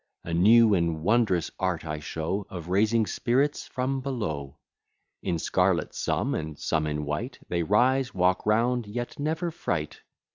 A new and wondrous art I show Of raising spirits from below; In scarlet some, and some in white; They rise, walk round, yet never fright.